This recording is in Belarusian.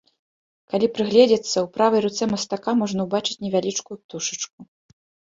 Калі прыгледзецца, у правай руцэ мастака можна ўбачыць невялічкую птушачку.